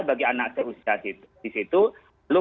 bagi anak anak usia di situ